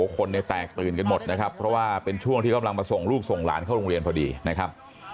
คนเนี่ยแตกตื่นกันหมดนะครับเพราะว่าเป็นช่วงที่กำลังมาส่งลูกส่งหลานเข้าโรงเรียนพอดีนะครับ